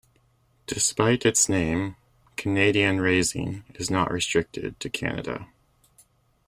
Despite its name, Canadian raising is not restricted to Canada.